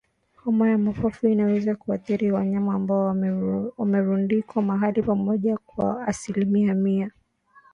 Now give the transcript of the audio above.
Homa ya mapafu inaweza kuathiri wanyama ambao wamerundikwa mahali pamoja kwa asilimia mia moja